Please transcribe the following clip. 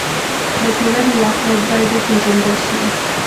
د ټولنې واقعیت باید وپېژندل شي.